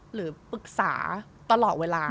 หรือปรึกษาตลอดเวลา